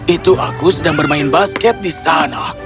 itu aku sedang bermain basket di sana